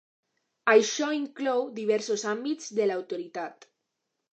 Això inclou diversos àmbits de l’autoritat.